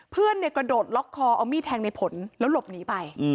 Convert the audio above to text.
เพื่อนกระโดดล็อกคอเอามีดแทงในผลแล้วหลบหนีไป